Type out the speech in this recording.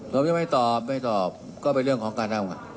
ผมยังไม่ตอบไม่ตอบก็เป็นเรื่องของการทำงาน